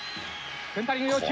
センタリング要注意。